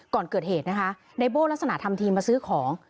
ก่อนเกิดเหตุนะคะในโบ้ลักษณะทำทีมาซื้อของ